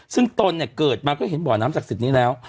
ซึ่งตนเนี่ยเกิดมาก็เห็นบ่อน้ำศักดิ์สิทธิ์นี้แล้ว